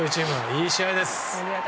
いい試合です。